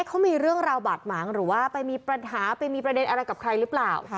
เขามีเรื่องราวบาดหมางหรือว่าไปมีปัญหาไปมีประเด็นอะไรกับใครหรือเปล่า